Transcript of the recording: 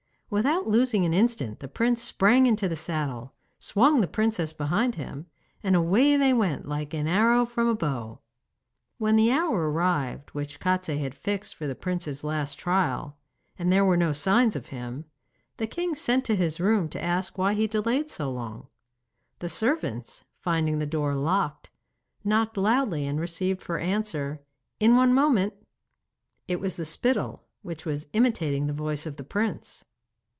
Without losing an instant the prince sprang into the saddle, swung the princess behind him, and away they went like an arrow from a bow. When the hour arrived which Kostiei had fixed for the prince's last trial, and there were no signs of him, the king sent to his room to ask why he delayed so long. The servants, finding the door locked, knocked loudly and received for answer, 'In one moment.' It was the spittle, which was imitating the voice of the prince.